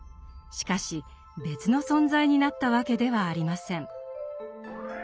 しかし別の存在になったわけではありません。